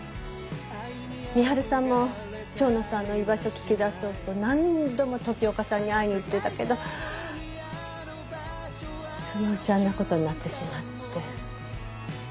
美春さんも蝶野さんの居場所聞き出そうと何度も時岡さんに会いに行ってたけどそのうちあんな事になってしまって。